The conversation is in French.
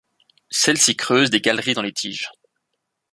Celles-ci creusent des galeries dans les tiges.